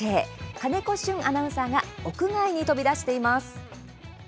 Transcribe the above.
金子峻アナウンサーが屋外に飛び出しています。